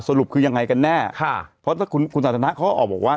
สรุปคือยังไงกันแน่ค่ะเพราะถ้าคุณคุณสันทนะเขาก็ออกบอกว่า